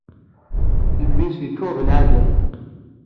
Imi-s iččur d ddeɛɛat.